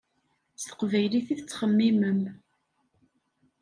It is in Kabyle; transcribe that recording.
S teqbaylit i tettxemmimem.